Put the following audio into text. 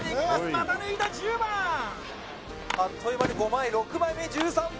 また抜いた１０番あっという間に５枚６枚目１３番